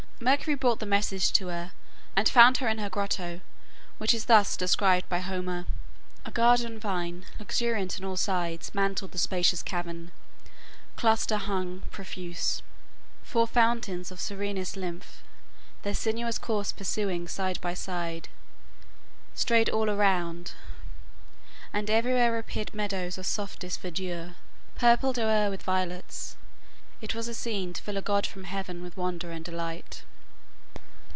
Mercury brought the message to her, and found her in her grotto, which is thus described by Homer: "A garden vine, luxuriant on all sides, Mantled the spacious cavern, cluster hung Profuse; four fountains of serenest lymph, Their sinuous course pursuing side by side, Strayed all around, and everywhere appeared Meadows of softest verdure, purpled o'er With violets; it was a scene to fill A god from heaven with wonder and delight."